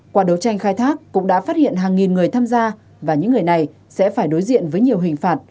qua đấu tranh khai thác cũng đã phát hiện hàng nghìn người tham gia và những người này sẽ phải đối diện với nhiều hình phạt